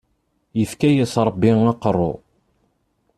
Yefka-yas rebbi aqerru.